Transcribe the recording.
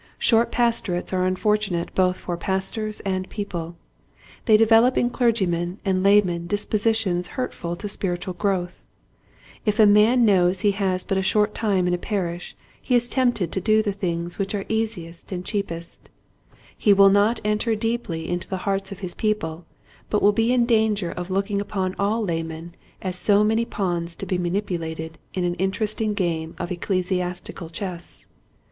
Short pastorates are unfortunate both for pastors and people. They develop in clergymen and laymen dispositions hurtful to spiritual growth. If a man knows he has but a short time in a parish he is tempted to do the things which are easiest 140 Quiet Hints to Growing Preachers. and cheapest. He will not enter deeply into the hearts of his people but will be in danger of looking upon all laymen as so many pawns to be manipulated in an inter esting game of ecclesiastical chess.